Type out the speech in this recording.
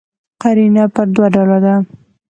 قرینه پر دوه ډوله ده.